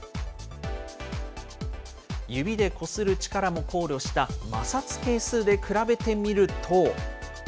指でこする力も考慮した摩擦係数で比べて見ると。